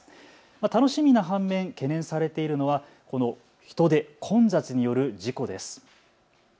楽しみな反面、懸念されているのはこの人出、混雑による事故です。